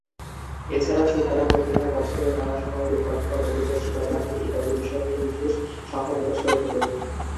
এছাড়াও শুকতারা পত্রিকা বছরের নানা সময়ে রূপকথা, কল্পবিজ্ঞান, শিকার কাহিনী ইত্যাদি বিষয় নিয়ে বিশেষ সংখ্যা প্রকাশ করে থাকে।